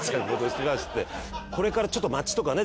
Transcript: これからちょっと町とかね